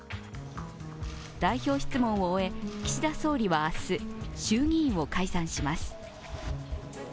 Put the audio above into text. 代表質問を終えて、岸田総理は明日、衆議院を解散します。